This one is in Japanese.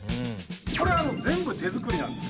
これは全部手作りなんですか？